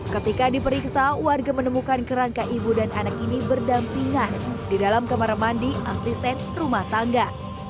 ketika diperiksa warga menemukan kerangka ibu dan anak ini berdampingan di dalam kamar mandi asisten rumah tangga